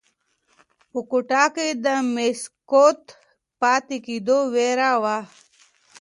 په کوټه کې د مسکوت پاتې کېدو ویره وه.